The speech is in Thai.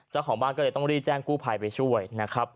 เจ้าของบ้านก็เลยต้องรีบแจ้งกู้ภัยไปช่วยนะครับ